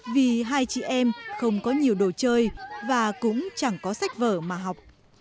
vì hai chị em không có nhiều đồ chơi và cũng chẳng có sách vở mà học